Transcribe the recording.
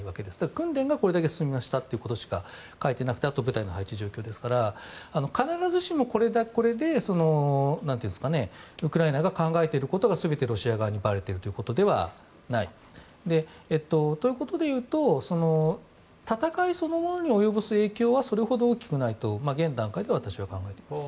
訓練がこれだけ進みましたということしか書いてなくてあとは部隊の配置状況ですから必ずしも、これでウクライナが考えていることが全てロシア側にばれているということではない。ということで言うと戦いそのものに及ぶ影響はそれほど大きくないと現段階では私は考えています。